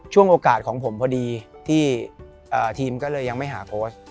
โอกาสของผมพอดีที่ทีมก็เลยยังไม่หาโค้ช